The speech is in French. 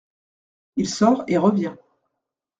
Il sort et revient.